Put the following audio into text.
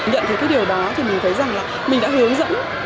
nhận thấy cái điều đó thì mình thấy rằng là mình đã hướng dẫn